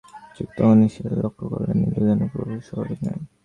ঠিক তখন নিসার আলি লক্ষ করলেন, নীলু যেন পুরোপুরি স্বাভাবিক নয়!